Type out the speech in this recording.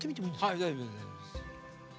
はい大丈夫です。